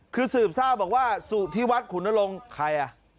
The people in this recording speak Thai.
คือสืบทราบบอกว่าที่วัดขุนลงใครอ่ะ